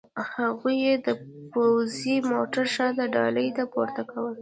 هغوی یې د پوځي موټر شاته ډالې ته پورته کول